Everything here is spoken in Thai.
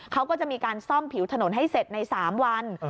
เขาก็จะมีการซ่อมผิวถนนให้เสร็จใน๓วัน